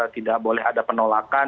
tidak boleh ada penolakan